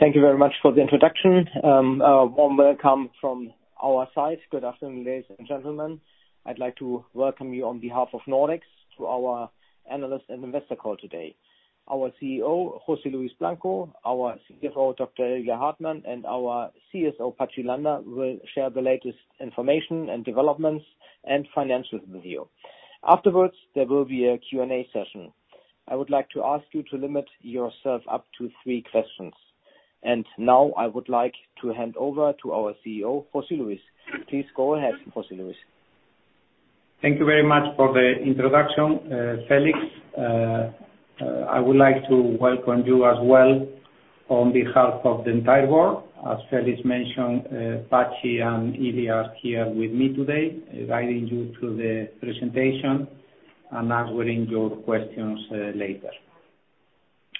Thank you very much for the introduction. A warm welcome from our side. Good afternoon, ladies and gentlemen. I'd like to welcome you on behalf of Nordex to our analyst and investor call today. Our CEO, José Luis Blanco, our CFO, Dr. Ilya Hartmann, and our CSO, Patxi Landa, will share the latest information and developments and financials with you. Afterwards, there will be a Q&A session. I would like to ask you to limit yourself up to three questions. Now I would like to hand over to our CEO, José Luis. Please go ahead, José Luis. Thank you very much for the introduction, Felix. I would like to welcome you as well on behalf of the entire Board. As Felix mentioned, Patxi and Ilya are here with me today, guiding you through the presentation and answering your questions later.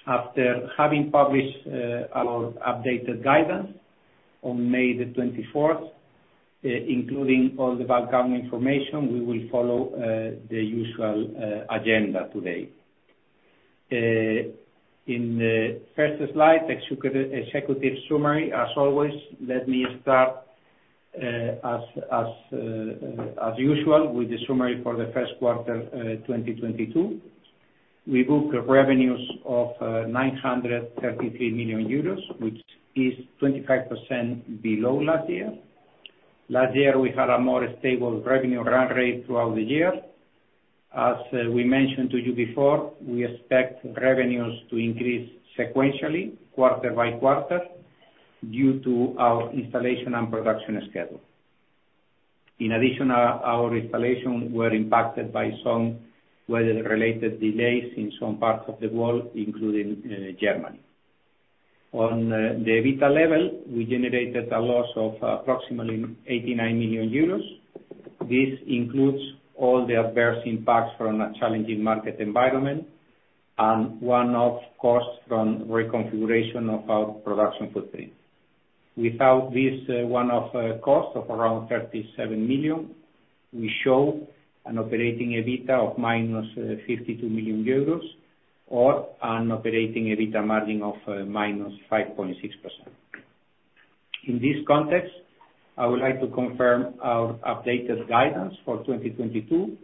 After having published our updated guidance on May the 24th, including all the background information, we will follow the usual agenda today. In the first slide, executive summary, as always, let me start as usual with the summary for the first quarter 2022. We booked revenues of 933 million euros, which is 25% below last year. Last year, we had a more stable revenue run rate throughout the year. As we mentioned to you before, we expect revenues to increase sequentially, quarter-by-quarter, due to our installation and production schedule. In addition, our installation were impacted by some weather-related delays in some parts of the world, including Germany. On the EBITDA level, we generated a loss of approximately 89 million euros. This includes all the adverse impacts from a challenging market environment and one-off costs from reconfiguration of our production footprint. Without this one-off cost of around 37 million, we show an operating EBITDA of -52 million euros or an operating EBITDA margin of -5.6%. In this context, I would like to confirm our updated guidance for 2022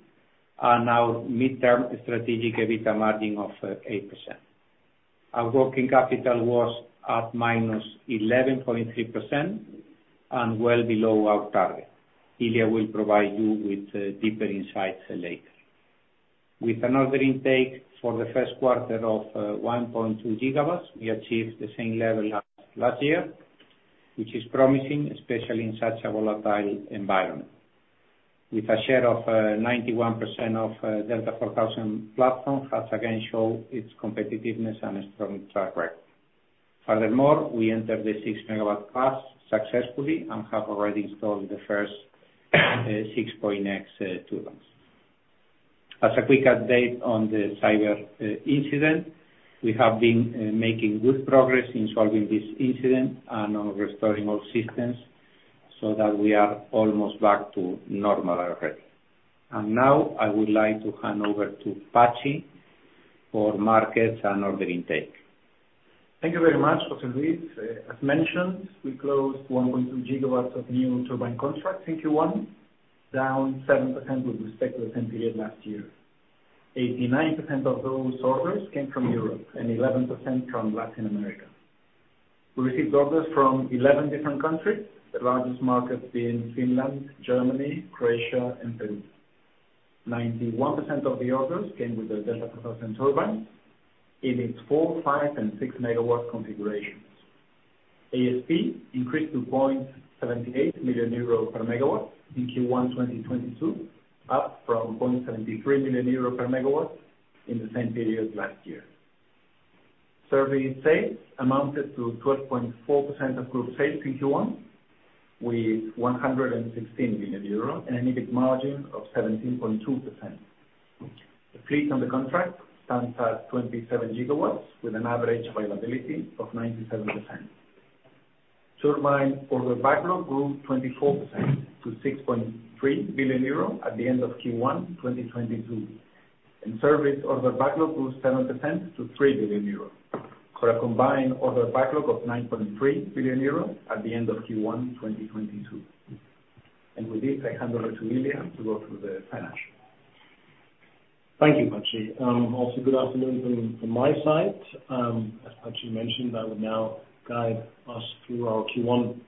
and our midterm strategic EBITDA margin of 8%. Our working capital was at -11.3% and well below our target. Ilya Hartmann will provide you with deeper insights later. With an order intake for the first quarter of 1.2 GW, we achieved the same level as last year, which is promising, especially in such a volatile environment. With a share of 91% of Delta4000 platform, has again shown its competitiveness and a strong track record. Furthermore, we entered the 6 MW class successfully and have already installed the first 6.X turbines. As a quick update on the cyber incident, we have been making good progress in solving this incident and on restoring all systems so that we are almost back to normal already. Now, I would like to hand over to Patxi for markets and order intake. Thank you very much, José Luis. As mentioned, we closed 1.2 GW of new turbine contracts in Q1, down 7% with respect to the same period last year. 89% of those orders came from Europe and 11% from Latin America. We received orders from 11 different countries, the largest markets being Finland, Germany, Croatia, and Peru. 91% of the orders came with the Delta4000 turbine in its 4 MW, 5 MW, and 6 MW configurations. ASP increased to 0.78 million euro per megawatt in Q1 2022, up from 0.73 million euro per megawatt in the same period last year. Service sales amounted to 12.4% of group sales in Q1 with 116 million euros and an EBIT margin of 17.2%. The fleet under contract stands at 27 GW with an average availability of 97%. Turbine order backlog grew 24% to 6.3 billion euro at the end of Q1 2022. Service order backlog grew 7% to 3 billion euros for a combined order backlog of 9.3 billion euros at the end of Q1 2022. With this, I hand over to Ilya to go through the financials. Thank you, Patxi. Also good afternoon from my side. As Patxi mentioned, I will now guide us through our Q1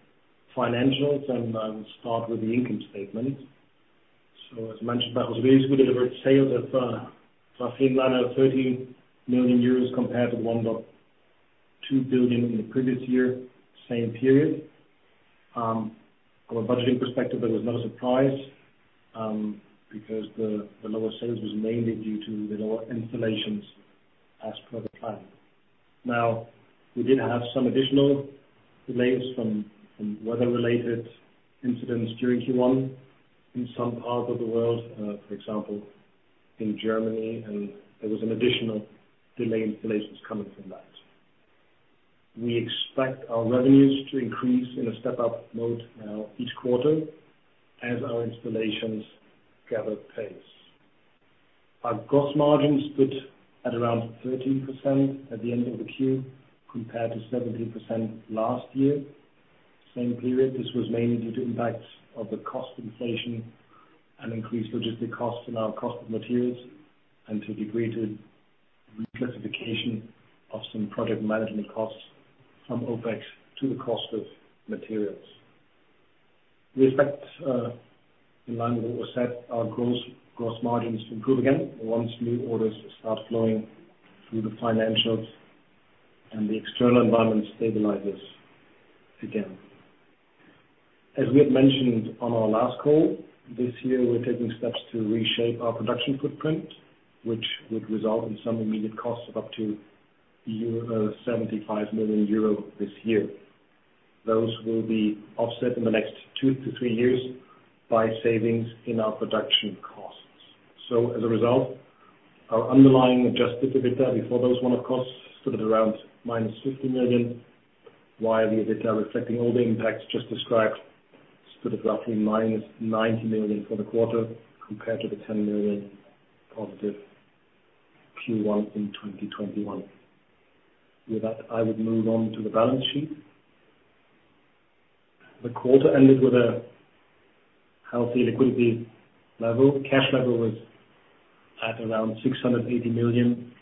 financials, and I will start with the income statement. As mentioned by José Luis, we delivered sales of roughly [930 million euros] compared to 1.2 billion in the previous year, same period. From a budgeting perspective, there was not a surprise, because the lower sales was mainly due to the lower installations as per the plan. Now, we did have some additional delays from weather-related incidents during Q1 in some parts of the world, for example, in Germany, and there was an additional delay installations coming from that. We expect our revenues to increase in a step-up mode now each quarter as our installations gather pace. Our gross margins stood at around 13% at the end of the quarter, compared to 17% last year, same period. This was mainly due to impacts of the cost inflation and increased logistic costs in our cost of materials, and to a degree, to reclassification of some project management costs from OpEx to the cost of materials. We expect in line with what was said, our gross margins to improve again once new orders start flowing through the financials and the external environment stabilizes again. As we had mentioned on our last call, this year we're taking steps to reshape our production footprint, which would result in some immediate costs of up to 75 million euro this year. Those will be offset in the next two to three years by savings in our production costs. As a result, our underlying adjusted EBITDA before those one-off costs stood at around -50 million, while the EBITDA reflecting all the impacts just described stood at roughly -90 million for the quarter compared to the positive 10 million Q1 in 2021. With that, I would move on to the balance sheet. The quarter ended with a healthy liquidity level. Cash level was at around 680 million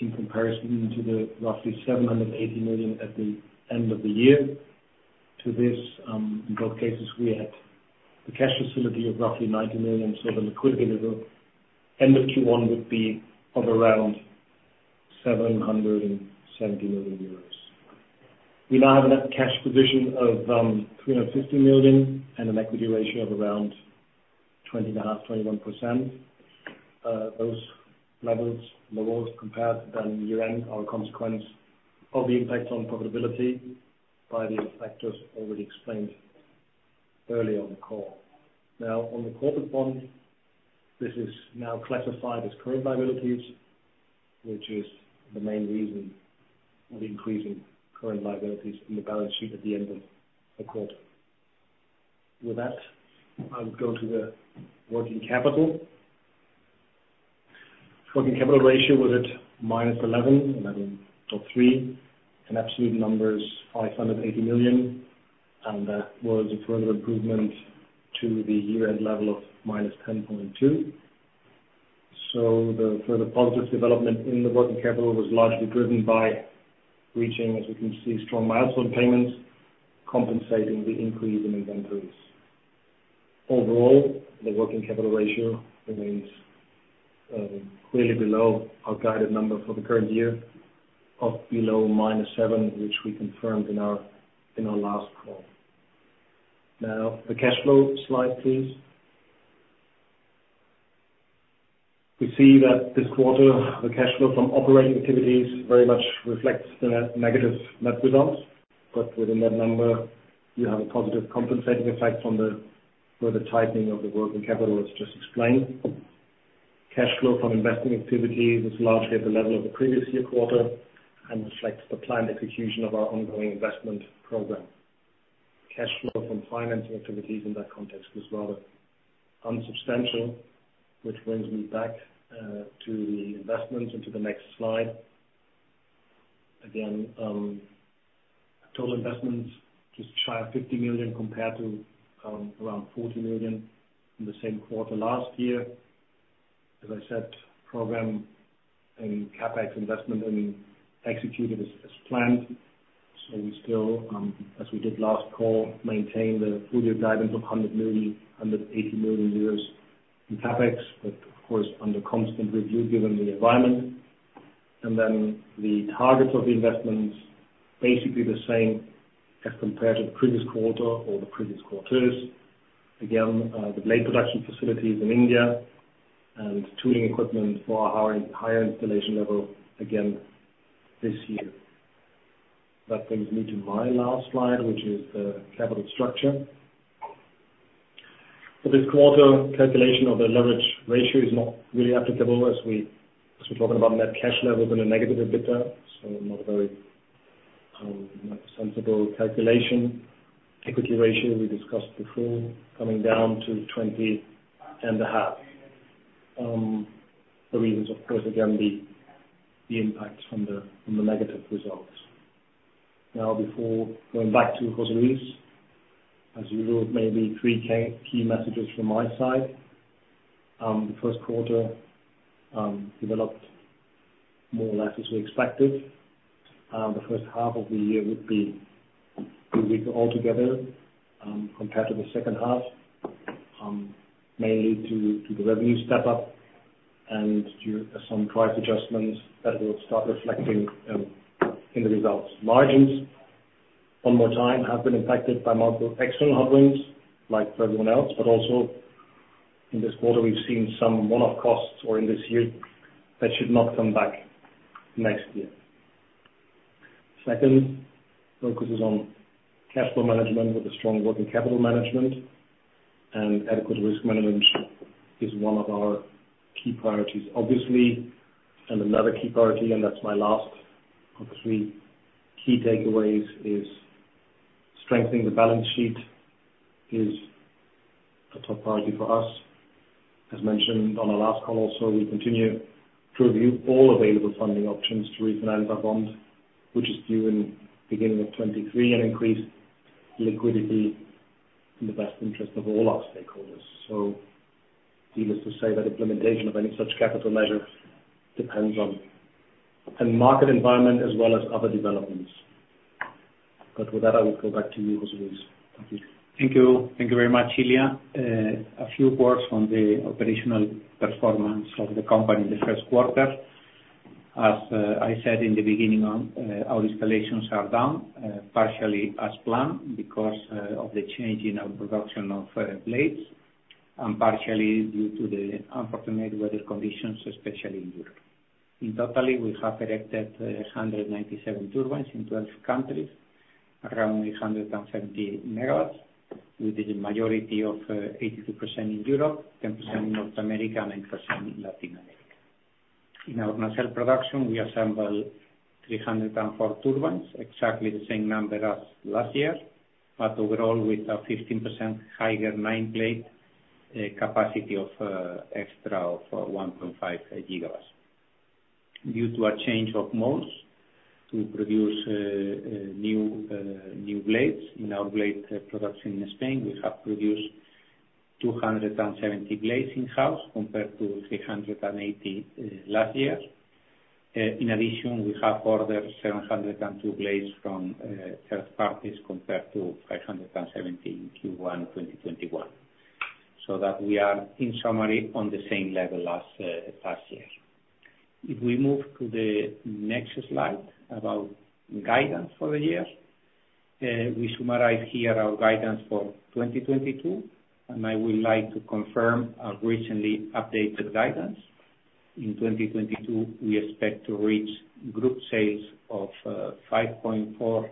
in comparison to the roughly 780 million at the end of the year. To this, in both cases, we had the cash facility of roughly 90 million, so the liquidity level end of Q1 would be of around 770 million euros. We now have a net cash position of 350 million and an equity ratio of around 20.5%, 21%. Those levels compared to year-end are a consequence of the impact on profitability by the factors already explained earlier on the call. Now, on the corporate bond, this is now classified as current liabilities, which is the main reason for the increase in current liabilities in the balance sheet at the end of the quarter. With that, I'll go to the working capital. Working capital ratio was at -11.3%, in absolute numbers, 580 million, and that was a further improvement to the year-end level of -10.2%. The further positive development in the working capital was largely driven by reaching, as we can see, strong milestone payments compensating the increase in inventories. Overall, the working capital ratio remains clearly below our guided number for the current year of below -7%, which we confirmed in our last call. Now, the cash flow slide, please. We see that this quarter, the cash flow from operating activities very much reflects the negative net results, but within that number, you have a positive compensating effect from the further tightening of the working capital, as just explained. Cash flow from investing activity was largely at the level of the previous year quarter and reflects the planned execution of our ongoing investment program. Cash flow from financing activities in that context was rather unsubstantial, which brings me back to the investments and to the next slide. Again, total investments just shy of 50 million compared to around 40 million in the same quarter last year. As I said, program and CapEx investment are being executed as planned, so we still, as we did last call, maintain the full year guidance of 180 million euros in CapEx, but of course, under constant review given the environment. The target of the investments, basically the same as compared to the previous quarter or the previous quarters. Again, the blade production facilities in India and tooling equipment for our higher installation level again this year. That brings me to my last slide, which is the capital structure. For this quarter, calculation of the leverage ratio is not really applicable as we're talking about net cash level and a negative EBITDA, so not a very sensible calculation. Equity ratio we discussed before, coming down to 20.5%. The reason is of course again the impact from the negative results. Now before going back to José Luis, as usual, maybe three key messages from my side. The first quarter developed more or less as we expected. The first half of the year would be weaker altogether, compared to the second half, mainly due to the revenue step up and due to some price adjustments that will start reflecting in the results. Margins, one more time, have been impacted by multiple external headwinds like for everyone else. Also in this quarter, we've seen some one-off costs in this year that should not come back next year. Second, focus is on cash flow management with a strong working capital management and adequate risk management is one of our key priorities, obviously. Another key priority, and that's my last of the three key takeaways, is strengthening the balance sheet is a top priority for us. As mentioned on our last call also, we continue to review all available funding options to refinance our bond, which is due in beginning of 2023, and increase liquidity in the best interest of all our stakeholders. Needless to say that implementation of any such capital measure depends on the market environment as well as other developments. With that, I will go back to you, José Luis. Thank you. Thank you. Thank you very much, Ilya. A few words on the operational performance of the company in the first quarter. As I said in the beginning, our installations are down, partially as planned because of the change in our production of blades, and partially due to the unfortunate weather conditions, especially in Europe. In total, we have erected 197 turbines in 12 countries, around 870 MWs, with the majority of 82% in Europe, 10% in North America, and 10% in Latin America. In our nacelle production, we assembled 304 turbines, exactly the same number as last year, but overall with a 15% higher nameplate capacity of extra of 1.5 GW. Due to a change of molds to produce new blades in our blade production in Spain, we have produced 270 blades in-house, compared to 380 last year. In addition, we have ordered 702 blades from third parties, compared to 570 in Q1 2021. So that we are, in summary, on the same level as last year. If we move to the next slide about guidance for the year. We summarize here our guidance for 2022, and I would like to confirm our recently updated guidance. In 2022, we expect to reach group sales of 5.4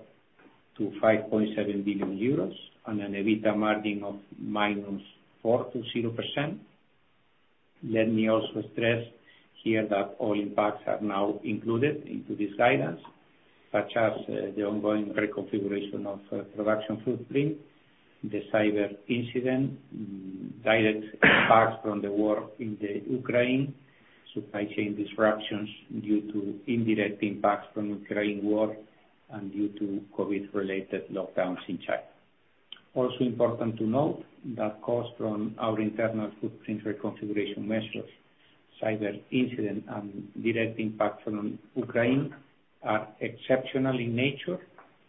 billion-5.7 billion euros on an EBITA margin of -4% to 0%. Let me also stress here that all impacts are now included into this guidance, such as the ongoing reconfiguration of production footprint, the cyber incident, direct impacts from the war in the Ukraine, supply chain disruptions due to indirect impacts from Ukraine war, and due to COVID-related lockdowns in China. Also important to note that costs from our internal footprint reconfiguration measures, cyber incident, and direct impact from Ukraine are exceptional in nature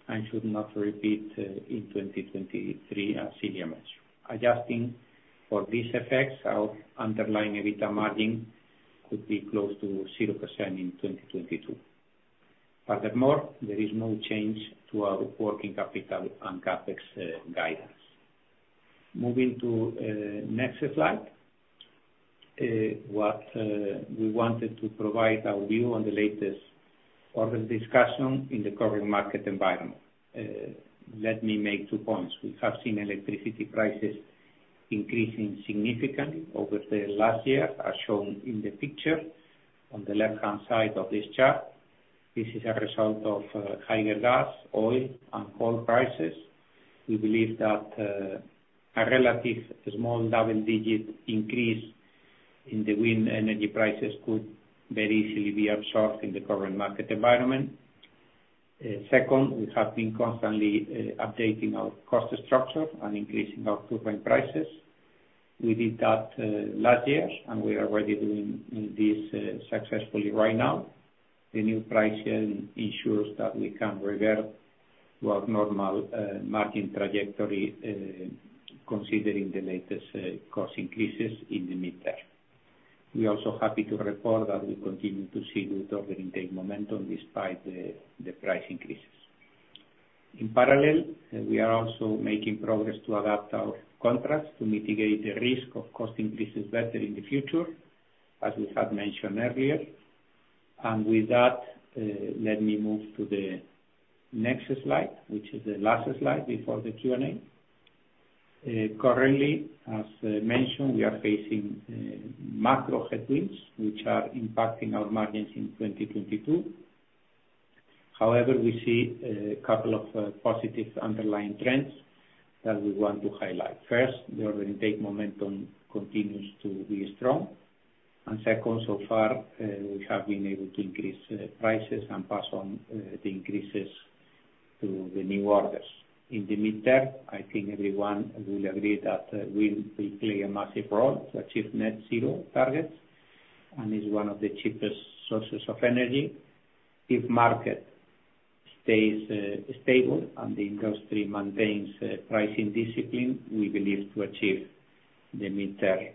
and should not repeat in 2023 as Ilya mentioned. Adjusting for these effects, our underlying EBITA margin could be close to 0% in 2022. Furthermore, there is no change to our working capital and CapEx guidance. Moving to next slide. What we wanted to provide our view on the latest order discussion in the current market environment. Let me make two points. We have seen electricity prices increasing significantly over the last year, as shown in the picture on the left-hand side of this chart. This is a result of higher gas, oil, and coal prices. We believe that a relatively small double-digit increase in the wind energy prices could very easily be absorbed in the current market environment. Second, we have been constantly updating our cost structure and increasing our turbine prices. We did that last year, and we are already doing this successfully right now. The new pricing ensures that we can revert to our normal margin trajectory, considering the latest cost increases in the medium term. We are also happy to report that we continue to see good order intake momentum despite the price increases. In parallel, we are also making progress to adapt our contracts to mitigate the risk of cost increases better in the future, as we have mentioned earlier. With that, let me move to the next slide, which is the last slide before the Q&A. Currently, as mentioned, we are facing macro headwinds, which are impacting our margins in 2022. However, we see a couple of positive underlying trends that we want to highlight. First, the order intake momentum continues to be strong. Second, so far, we have been able to increase prices and pass on the increases to the new orders. In the midterm, I think everyone will agree that wind will play a massive role to achieve net zero targets and is one of the cheapest sources of energy. If market stays stable and the industry maintains pricing discipline, we believe to achieve the midterm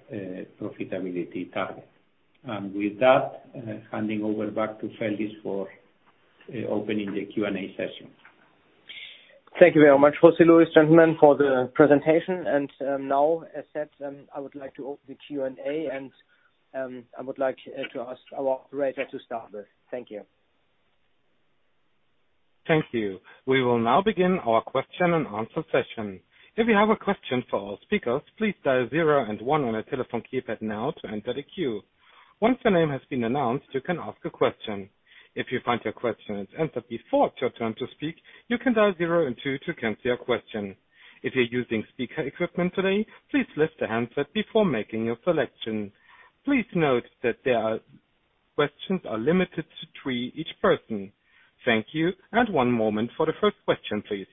profitability target. With that, handing over back to Felix for opening the Q&A session. Thank you very much, José Luis, gentlemen, for the presentation. Now, as said, I would like to open the Q&A and I would like to ask our operator to start this. Thank you. Thank you. We will now begin our question-and-answer session. If you have a question for our speakers, please dial zero and one on your telephone keypad now to enter the queue. Once the name has been announced, you can ask a question. If you find your question is answered before it's your turn to speak, you can dial zero and two to cancel your question. If you're using speaker equipment today, please lift the handset before making your selection. Please note that questions are limited to three each person. Thank you. One moment for the first question, please.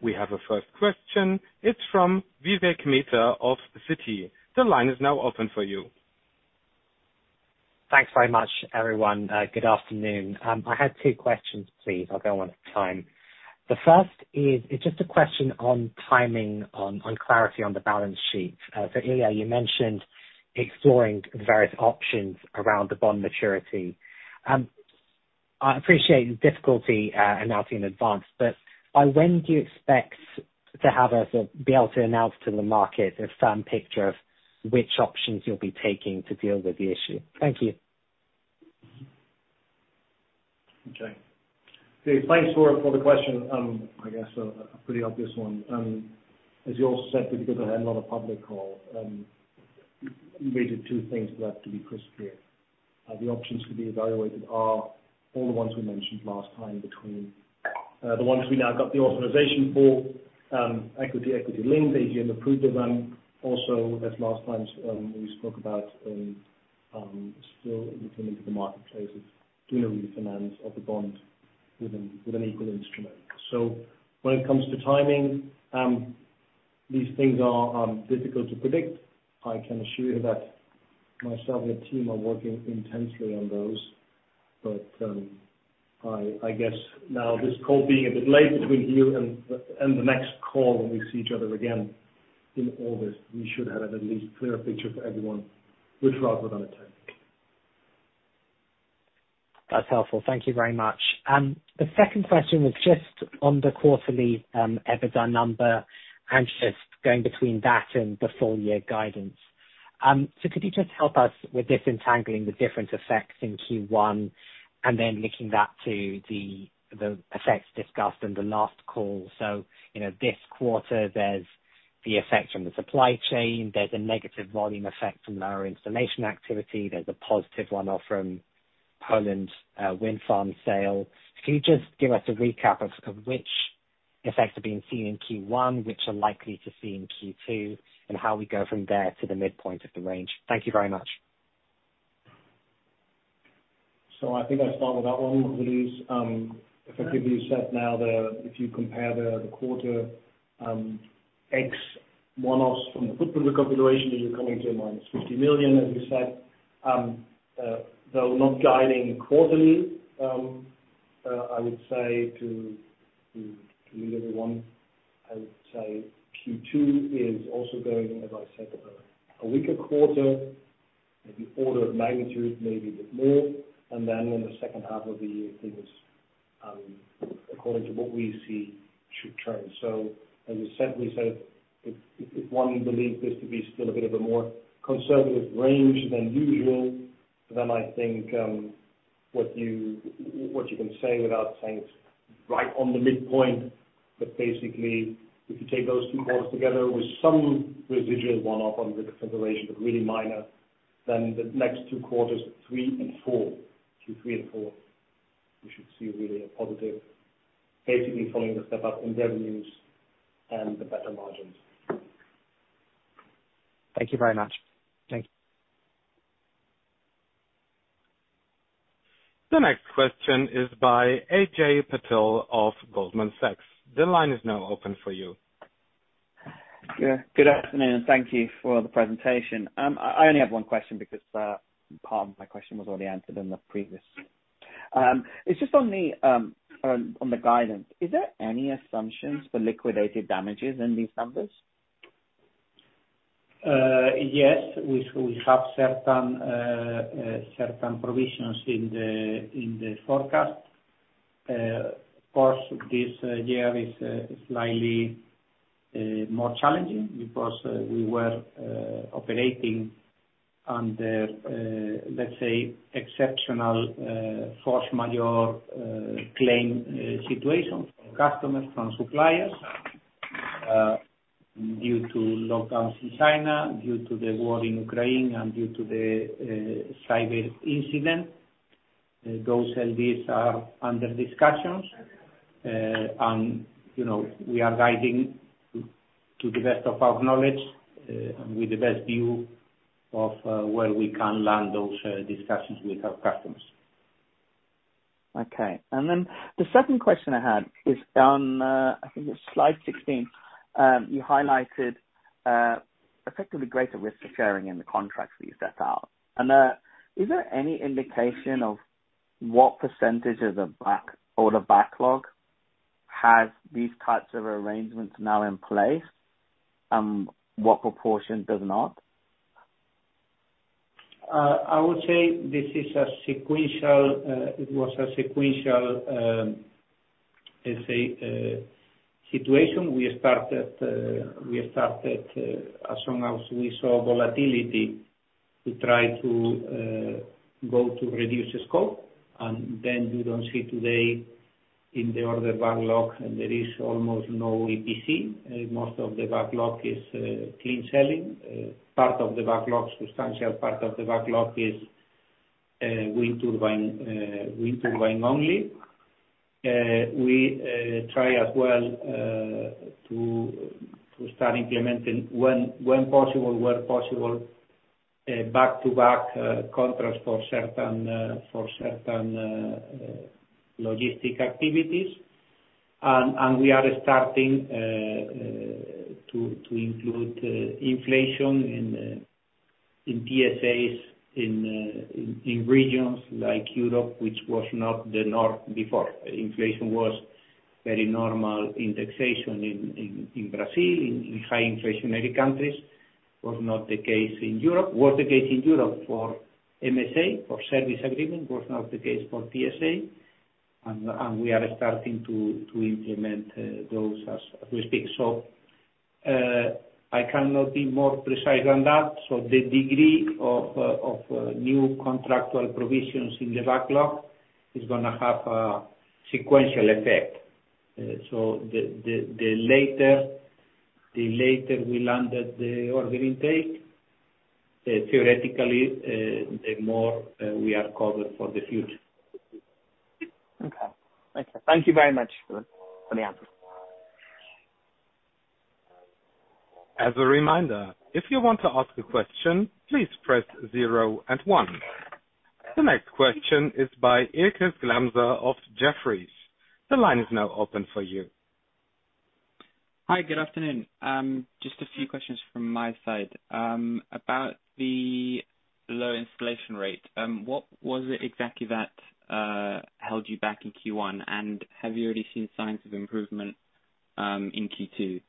We have a first question. It's from Vivek Midha of Citi. The line is now open for you. Thanks very much, everyone. Good afternoon. I had two questions, please. I'll go one at a time. The first is, it's just a question on timing on clarity on the balance sheet. So earlier you mentioned exploring the various options around the bond maturity. I appreciate the difficulty announcing in advance, but by when do you expect to have sort of be able to announce to the market a firm picture of which options you'll be taking to deal with the issue? Thank you. Okay, thanks for the question, I guess a pretty obvious one. As you also said, because I had another public call, we did two things that have to be crystal clear. The options to be evaluated are all the ones we mentioned last time between the ones we now got the authorization for, equity linked, AGM approved them. Also, as last time, we spoke about, still looking into the marketplace of doing a refinance of the bond with an equal instrument. When it comes to timing, these things are difficult to predict. I can assure you that myself and the team are working intensely on those. I guess now this call being a bit late between you and the next call when we see each other again in August, we should have at least a clearer picture for everyone, which rather than a time. That's helpful. Thank you very much. The second question was just on the quarterly EBITDA number, and just going between that and the full year guidance. Could you just help us with disentangling the different effects in Q1 and then linking that to the effects discussed in the last call? You know, this quarter there's the effect from the supply chain, there's a negative volume effect from lower installation activity, there's a positive one-off from Poland wind farm sale. Can you just give us a recap of which effects are being seen in Q1, which are likely to see in Q2, and how we go from there to the midpoint of the range? Thank you very much. I think I start with that one. Effectively you said, now, if you compare the quarter, ex one-offs from the footprint reconfiguration, you're coming to a -50 million, as you said. Though not guiding quarterly, I would say to lead everyone, I would say Q2 is also going, as I said, a weaker quarter, maybe order of magnitude, maybe a bit more. Then in the second half of the year, things, according to what we see, should turn. As you said, we said if one believes this to be still a bit of a more conservative range than usual, then I think what you can say without saying it's right on the midpoint, but basically if you take those two quarters together with some residual one-off on reconfiguration but really minor, then the next two quarters, three and four, Q3 and four, you should see really a positive basically following the step up in revenues and the better margins. Thank you very much. Thanks. The next question is by Ajay Patel of Goldman Sachs. The line is now open for you. Yeah, good afternoon, and thank you for the presentation. I only have one question because part of my question was already answered in the previous. It's just on the guidance. Is there any assumptions for liquidated damages in these numbers? Yes. We have certain provisions in the forecast. Of course, this year is slightly more challenging because we were operating under, let's say, exceptional force majeure claim situation from customers, from suppliers, due to lockdowns in China, due to the war in Ukraine and due to the cyber incident. Those as is are under discussions. You know, we are guiding to the best of our knowledge and with the best view of where we can land those discussions with our customers. The second question I had is on, I think it's slide 16. You highlighted effectively greater risk sharing in the contracts that you set out. Is there any indication of what percentage of the order backlog has these types of arrangements now in place, and what proportion does not? I would say this was a sequential, let's say, situation. We started as soon as we saw volatility. We try to reduce the scope and then you don't see today in the order backlog, and there is almost no EPC. Most of the backlog is clean selling. Part of the backlog, substantial part of the backlog is wind turbine only. We try as well to start implementing when possible, where possible, back-to-back contracts for certain logistic activities. We are starting to include inflation in PSAs in regions like Europe, which was not the norm before. Inflation was very normal indexation in Brazil, in high inflationary countries. It was not the case in Europe. It was the case in Europe for MSA, for service agreement. It was not the case for PSA. We are starting to implement those as we speak. I cannot be more precise than that. The degree of new contractual provisions in the backlog is going to have a sequential effect. The later we landed the order intake, theoretically, the more we are covered for the future. Okay. Thank you. Thank you very much for the answer. As a reminder, if you want to ask a question, please press zero and one. The next question is by Lucas Glemser of Jefferies. The line is now open for you. Hi, good afternoon. Just a few questions from my side. About the low installation rate, what was it exactly that held you back in Q1? Have you already seen signs of improvement in Q2?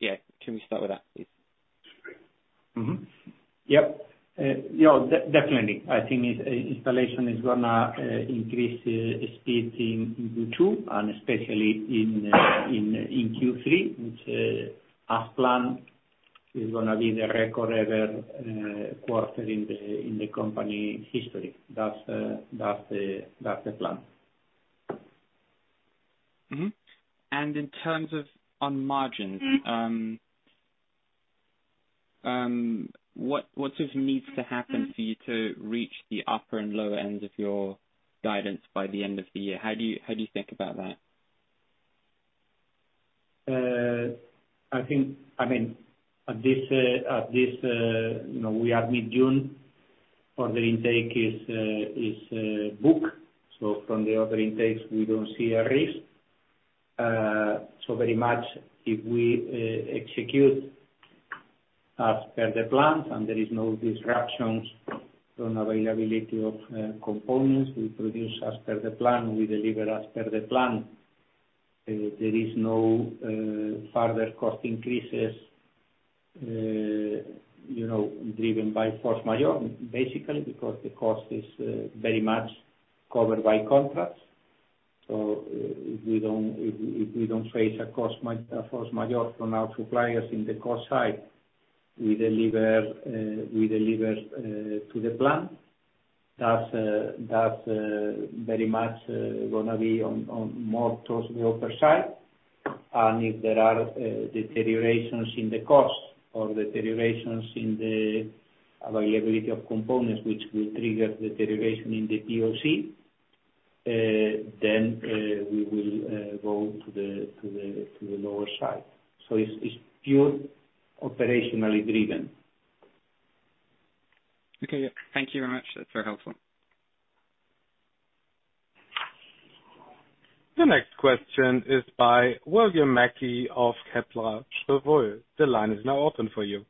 Yeah, can we start with that, please? Mm-hmm. Yes. No, definitely. I think installation is going to increase speed in Q2 and especially in Q3, which, as planned, is going to be the record ever quarter in the company history. That's the plan. In terms of margins. Mm-hmm. What sort of needs to happen? Mm-hmm. For you to reach the upper and lower ends of your guidance by the end of the year? How do you think about that? I mean, at this, you know, we are mid-June. Order intake is booked. From the order intakes we don't see a risk. Very much if we execute as per the plans and there is no disruptions on availability of components, we produce as per the plan, we deliver as per the plan. There is no further cost increases, you know, driven by force majeure, basically, because the cost is very much covered by contracts. If we don't face a force majeure from our suppliers in the cost side, we deliver to the plan. That's very much going to be on more towards the upper side. If there are deteriorations in the cost or deteriorations in the availability of components which will trigger deterioration in the POC, then we will go to the lower side. It's purely operationally driven. Okay, yeah. Thank you very much. That's very helpful. The next question is by William Mackie of Kepler Cheuvreux. The line is now open for you.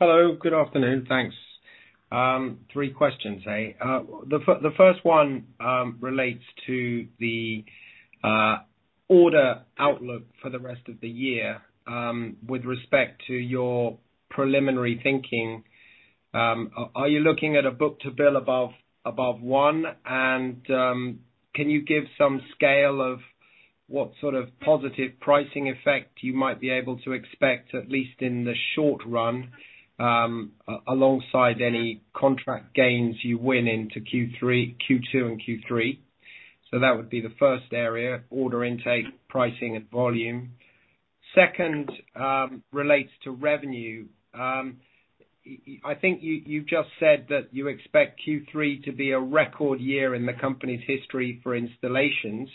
Hello, good afternoon. Thanks. Three questions. The first one relates to the order outlook for the rest of the year. With respect to your preliminary thinking, are you looking at a book-to-bill above one? Can you give some scale of what sort of positive pricing effect you might be able to expect, at least in the short run, alongside any contract gains you win into Q2 and Q3? That would be the first area, order intake, pricing and volume. Second, relates to revenue. I think you just said that you expect Q3 to be a record year in the company's history for installations.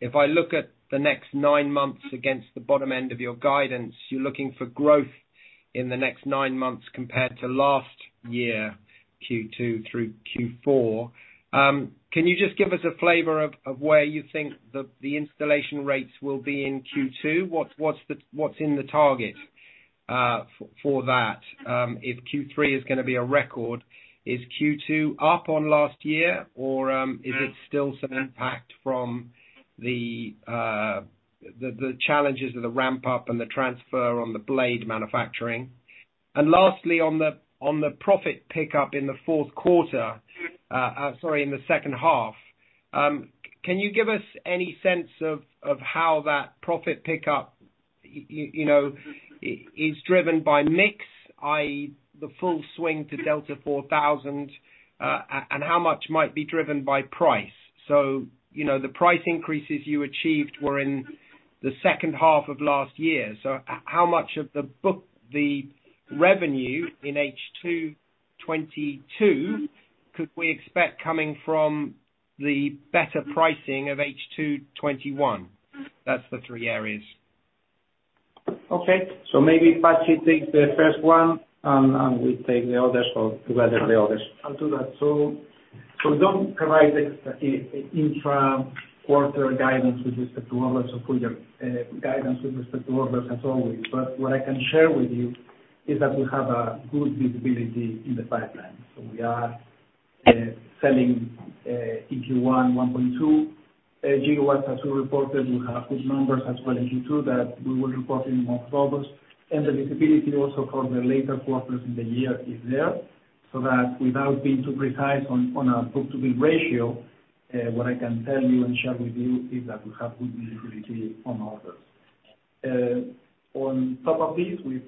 If I look at the next nine months against the bottom end of your guidance, you're looking for growth in the next nine months compared to last year, Q2 through Q4. Can you just give us a flavor of where you think the installation rates will be in Q2? What's in the target for that? If Q3 is going to be a record, is Q2 up on last year? Is it still some impact from the challenges of the ramp up and the transfer on the blade manufacturing? Lastly, on the profit pickup in the fourth quarter, sorry, in the second half, can you give us any sense of how that profit pickup, you know, is driven by mix, i.e., the full swing to Delta4000, and how much might be driven by price? You know, the price increases you achieved were in the second half of last year. How much of the revenue in H2 2022 could we expect coming from the better pricing of H2 2021? That's the three areas. Okay. Maybe Patxi takes the first one, and we take the others or together the others. I'll do that. Don't provide the intra-quarter guidance with respect to orders or full year guidance with respect to orders as always. What I can share with you is that we have a good visibility in the pipeline. We are seeing Q1 1.2 GW as we reported. We have good numbers as well as Q2 that we will report in August. The visibility also for the later quarters in the year is there, so that without being too precise on our book-to-bill ratio, what I can tell you and share with you is that we have good visibility on orders. On top of this, with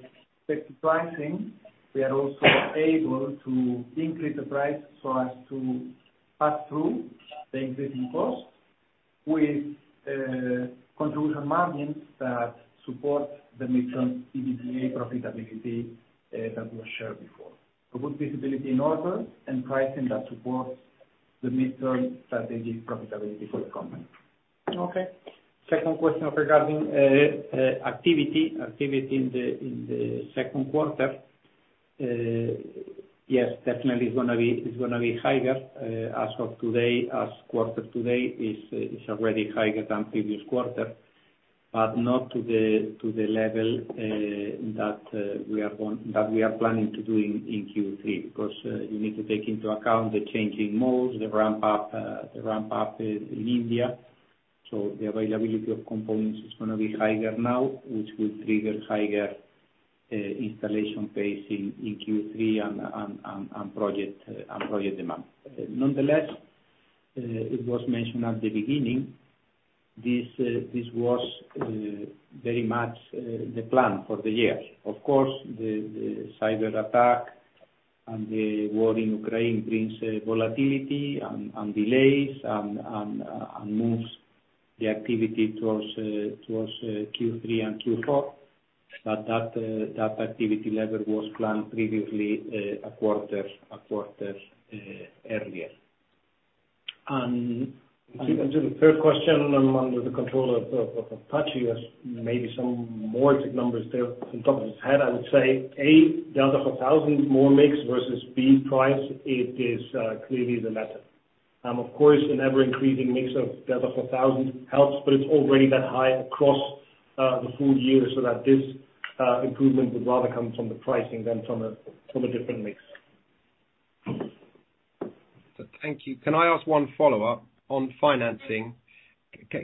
respect to pricing, we are also able to increase the price so as to pass through the existing costs with contribution margins that support the midterm EBITDA profitability that we shared before. A good visibility in orders and pricing that supports the midterm strategic profitability for the company. Okay. Second question regarding activity in the second quarter. Yes, definitely it's going to be higher as of today, quarter-to-date is already higher than previous quarter, but not to the level that we are planning to do in Q3. Because you need to take into account the changing modes, the ramp up in India. The availability of components is going to be higher now, which will trigger higher installation pace in Q3 and project demand. Nonetheless, it was mentioned at the beginning, this was very much the plan for the year. Of course, the cyberattack and the war in Ukraine brings volatility and delays and moves the activity towards Q3 and Q4. But that activity level was planned previously a quarter earlier. To the third question, Patxi has maybe some more exact numbers on top of his head. I would say, A, Delta4000 more mix versus B price, it is clearly the latter. Of course, an ever-increasing mix of Delta4000 helps, but it's already that high across the full year, so that this improvement would rather come from the pricing than from a different mix. Thank you. Can I ask one follow-up on financing?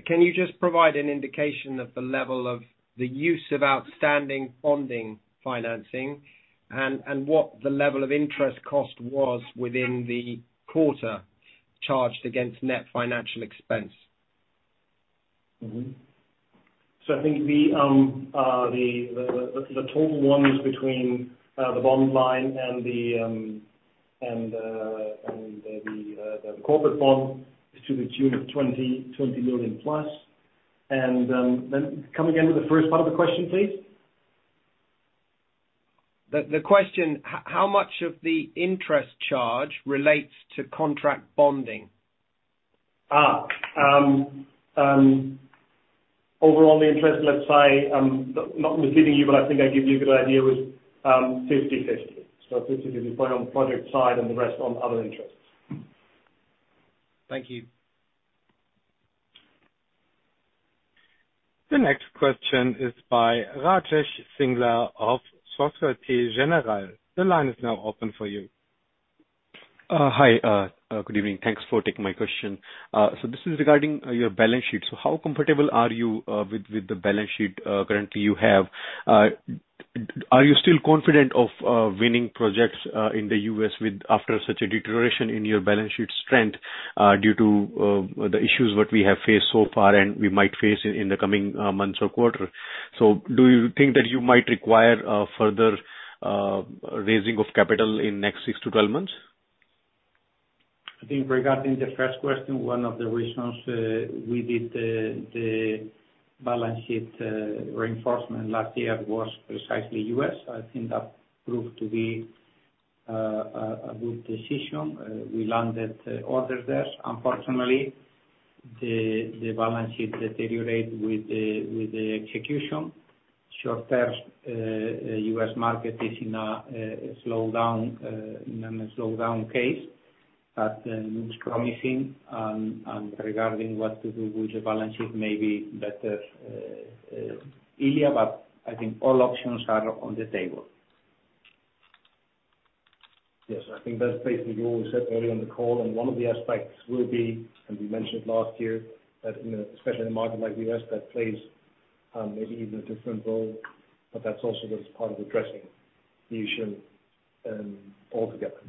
Can you just provide an indication of the level of the use of outstanding bond financing and what the level of interest cost was within the quarter charged against net financial expense? Mm-hmm. I think the total loans between the bond line and the corporate bond is to the tune of 20+ million. Come again with the first part of the question, please. How much of the interest charge relates to contract bonding? Overall the interest, let's say, I'm not misleading you, but I think I give you a good idea, was 50/50. 50/50 point on project side and the rest on other interests. Thank you. The next question is by Rajesh Singla of Societe Generale. The line is now open for you. Hi. Good evening. Thanks for taking my question. This is regarding your balance sheet. How comfortable are you with the balance sheet currently you have? Are you still confident of winning projects in the U.S. after such a deterioration in your balance sheet strength due to the issues that we have faced so far and we might face in the coming months or quarter? Do you think that you might require further raising of capital in next six to 12 months? I think regarding the first question, one of the reasons we did the balance sheet reinforcement last year was precisely U.S. I think that proved to be a good decision. We landed orders there. Unfortunately, the balance sheet deteriorate with the execution. Short term, U.S. market is in a slowdown phase, but it's promising. Regarding what to do with the balance sheet, maybe better Ilya, but I think all options are on the table. Yes, I think that's basically what we said earlier in the call, and one of the aspects will be, and we mentioned last year that, you know, especially in a market like U.S. that plays, maybe even a different role, but that's also as part of addressing the issue, altogether.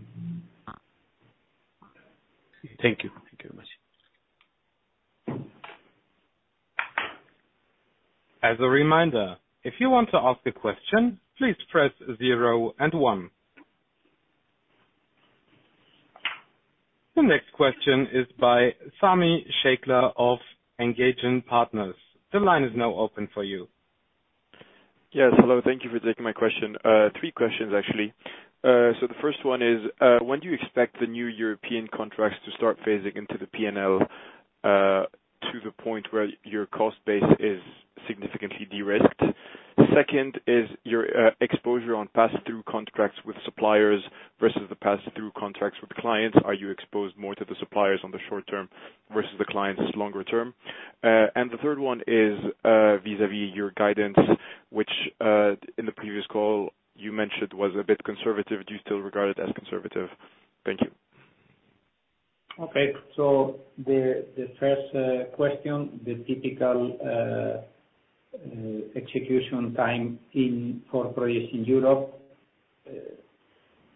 Thank you. Thank you very much. As a reminder, if you want to ask a question, please press zero and one. The next question is by Sami Cheikha of Engadine Partners. The line is now open for you. Yes. Hello. Thank you for taking my question. Three questions, actually. The first one is, when do you expect the new European contracts to start phasing into the P&L, to the point where your cost base is significantly de-risked? Second is your exposure on pass-through contracts with suppliers versus the pass-through contracts with clients. Are you exposed more to the suppliers on the short term versus the clients longer term? The third one is, vis-à-vis your guidance, which, in the previous call you mentioned was a bit conservative. Do you still regard it as conservative? Thank you. Okay. The typical execution time for projects in Europe,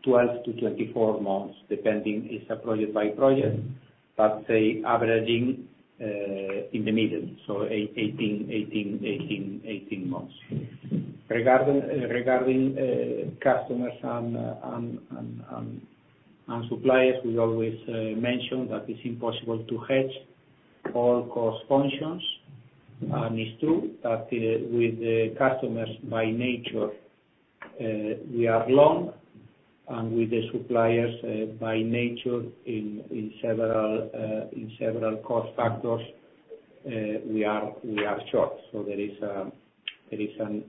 12-24 months, depending. It's a project by project, but say averaging in the middle, so 18 months. Regarding customers and suppliers, we always mention that it's impossible to hedge all cost functions. It's true that with the customers by nature, we are long, and with the suppliers by nature in several cost factors, we are short. There is an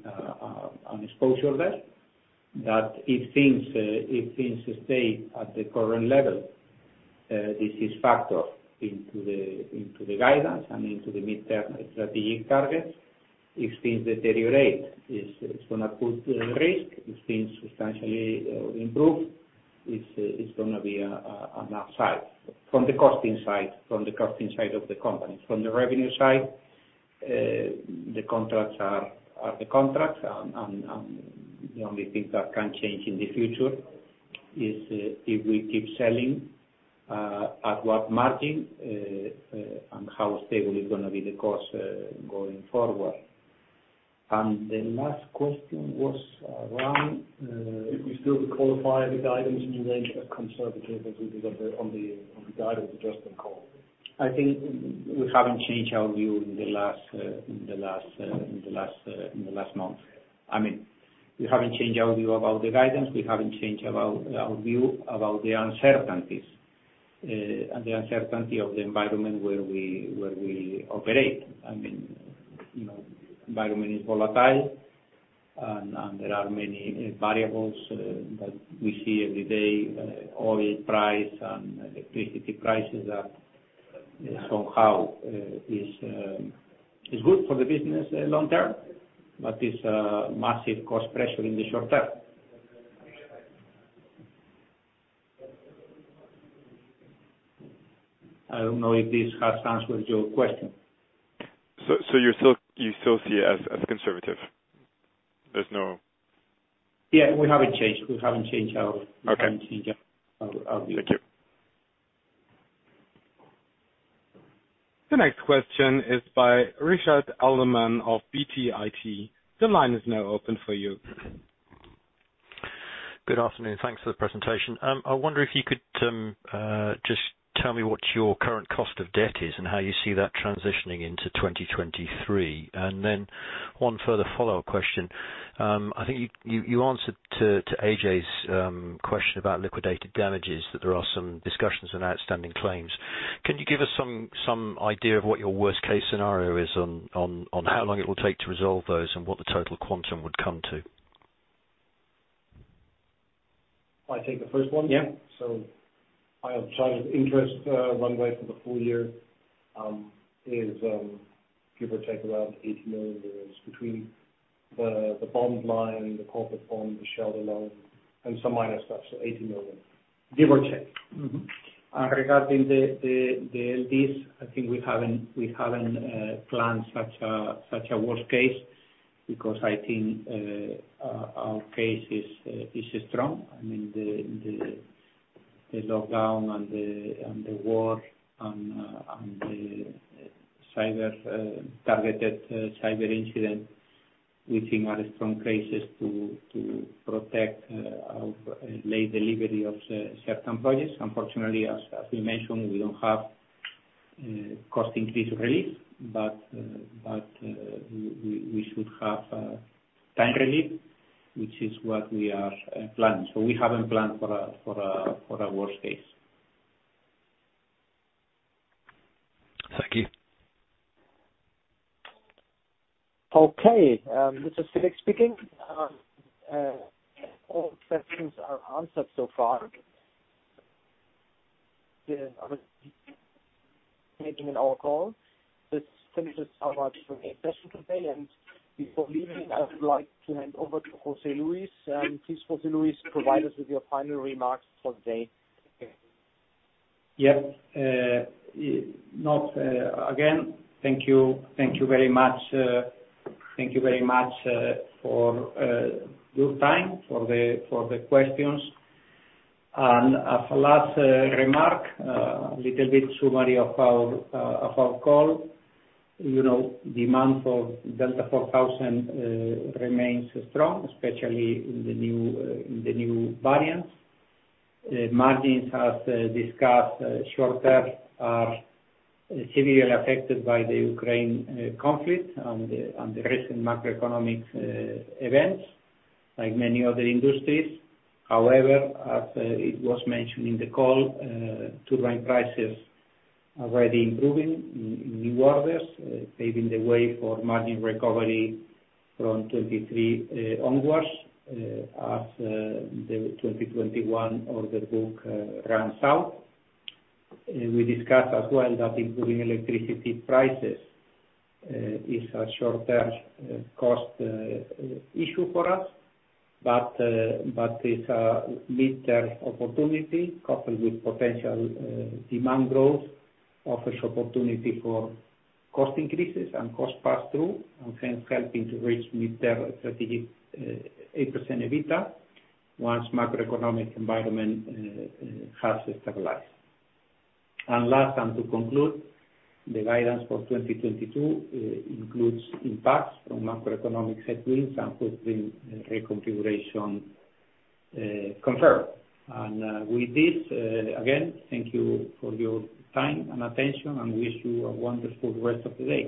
exposure there that if things stay at the current level, this is factored into the guidance and into the midterm strategic targets. If things deteriorate, it's going to put risk. If things substantially improve, it's going to be an upside from the costing side, from the costing side of the company. From the revenue side, the contracts are the contracts. The only thing that can change in the future is if we keep selling at what margin and how stable is going to be the cost going forward. The last question was around- If we still qualify the guidance, do you think that's conservative as it is on the guidance adjustment call? I think we haven't changed our view in the last month. I mean, we haven't changed our view about the guidance. We haven't changed about our view about the uncertainties and the uncertainty of the environment where we operate. I mean, you know, environment is volatile and there are many variables that we see every day. Oil price and electricity prices are somehow is good for the business long term, but is a massive cost pressure in the short term. I don't know if this has answered your question. You still see it as conservative? Yeah, we haven't changed our- Okay. We haven't changed our view. Thank you. The next question is by Richard Alderman of BTIG. The line is now open for you. Good afternoon. Thanks for the presentation. I wonder if you could just tell me what your current cost of debt is and how you see that transitioning into 2023. Then one further follow-up question. I think you answered to Ajay's question about liquidated damages, that there are some discussions on outstanding claims. Can you give us some idea of what your worst case scenario is on how long it will take to resolve those and what the total quantum would come to? I take the first one. Yeah. I have cash and interest runway for the full year is give or take around 80 million euros between the bond line, the corporate bond, the shareholder loan and some minor stuff. 80 million. Give or take. Mm-hmm. Regarding the LDs, I think we haven't planned such a worst case because I think our case is strong. I mean, the lockdown and the war and the cyber targeted cyber incident, we think are strong cases to protect our late delivery of certain projects. Unfortunately, as we mentioned, we don't have cost increase relief, but we should have time relief, which is what we are planning. We haven't planned for a worst case. Thank you. Okay. This is Felix speaking. All questions are answered so far. No other in our call. This finishes our session today. Before leaving, I would like to hand over to José Luis. Please, José Luis, provide us with your final remarks for today. Thank you very much for your time, for the questions. As a last remark, a little bit summary of our call. You know, demand for Delta4000 remains strong, especially in the new variants. Margins, as discussed earlier, are severely affected by the Ukraine conflict and the recent macroeconomic events, like many other industries. However, as it was mentioned in the call, turbine prices are already improving in new orders, paving the way for margin recovery from 2023 onwards, as the 2021 order book runs out. We discussed as well that improving electricity prices is a short-term cost issue for us. It's a mid-term opportunity coupled with potential demand growth, offers opportunity for cost increases and cost passthrough, and hence helping to reach mid-term strategic 8% EBITDA once macroeconomic environment has stabilized. Last, and to conclude, the guidance for 2022 includes impacts from macroeconomic headwinds and portfolio reconfiguration, confirmed. With this, again, thank you for your time and attention, and wish you a wonderful rest of the day.